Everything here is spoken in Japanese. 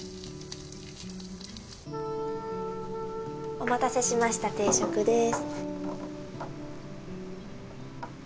お待たせしました定食です。